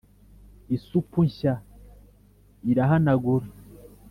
isupu nshya irahanagura